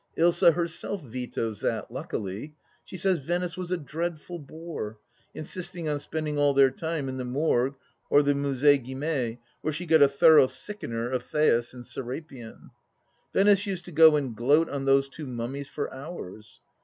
Ilsa herself vetoes that, luckily ; she says Venice was a dreadful bore, insisting on spending all their time in the Morgue or the Musee Guimet, where she got a thorough sickener of Thais and Serapion. Venice used to go and gloat on those two mummies for hours